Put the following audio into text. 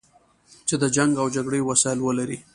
چې د جنګ او جګړې وسایل ولري.